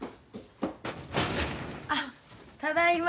あただいま。